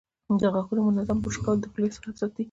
د غاښونو منظم برش کول د خولې صحت ساتي.